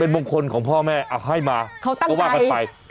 เป็นบงคลของพ่อแม่ให้มาว่ากันไป